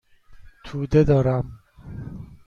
توده دارم.